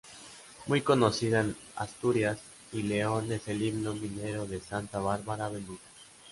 Muy conocida en Asturias y León es el himno minero de "Santa Bárbara Bendita".